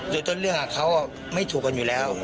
โดยต้นเรื่องเขาไม่ถูกกันอยู่แล้ว